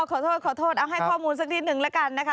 ขอโทษขอโทษเอาให้ข้อมูลสักนิดนึงละกันนะคะ